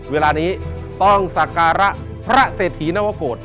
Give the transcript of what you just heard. เวลานี้ต้องสักการะพระเศรษฐีนวโกรธ